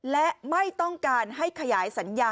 และไม่ต้องการให้ขยายสัญญา